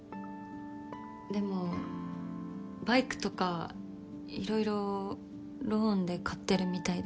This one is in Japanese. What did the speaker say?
でもバイクとか色々ローンで買ってるみたいで。